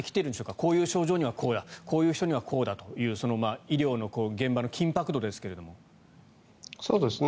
こういう症状にはこうだこういう人にはこうだという医療の現場の緊迫度ですが。